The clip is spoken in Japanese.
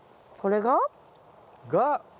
これが？が。